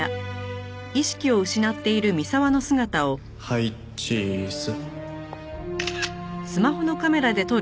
はいチーズ。